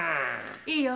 いいよ。